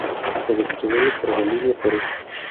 Se distribuye por Bolivia, Perú.